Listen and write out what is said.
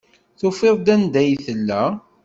Tufiḍ-d anda ay tella.